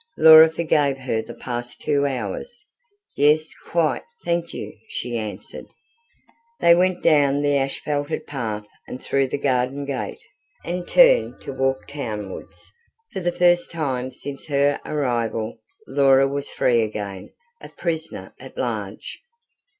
Laura forgave her the past two hours. "Yes, quite, thank you," she answered. They went down the asphalted path and through the garden gate, and turned to walk townwards. For the first time since her arrival Laura was free again a prisoner at large.